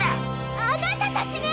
あなたたちねぇ！